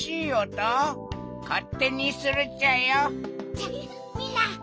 じゃみんな。